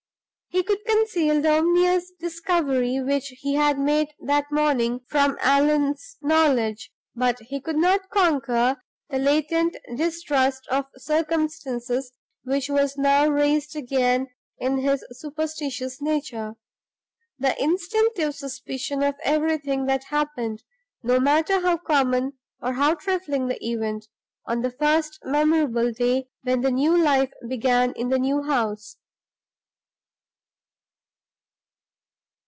He could conceal the ominous discovery which he had made that morning, from Allan's knowledge; but he could not conquer the latent distrust of circumstances which was now raised again in his superstitious nature the instinctive suspicion of everything that happened, no matter how common or how trifling the event, on the first memorable day when the new life began in the new house.